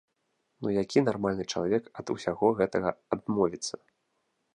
Ну які нармальны чалавек ад усяго гэтага адмовіцца?